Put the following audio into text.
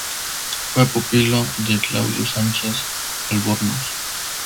Fue pupilo de Claudio Sánchez Albornoz.